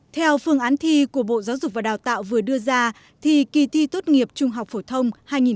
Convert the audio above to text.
theo phương án thi của bộ giáo dục và đào tạo vừa đưa ra thì kỳ thi tốt nghiệp trung học phổ thông hai nghìn hai mươi